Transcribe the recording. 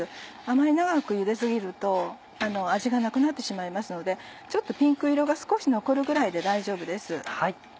あまり長く茹で過ぎると味がなくなってしまいますのでちょっとピンク色が少し残るぐらいで大丈夫です。